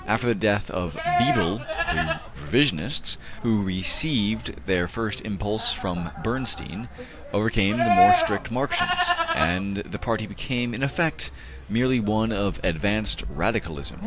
After the death of Bebel, the Revisionists, who received their first impulse from Bernstein, overcame the more strict Marxians, and the party became in effect merely one of advanced Radicalism.